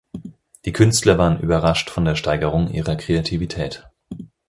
Die Künstler waren überrascht von der Steigerung ihrer Kreativität.